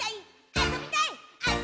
「あそびたいっ！」